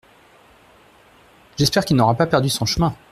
J’espère qu’il n’aura pas perdu son chemin !